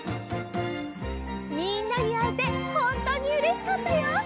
みんなにあえてほんとうにうれしかったよ。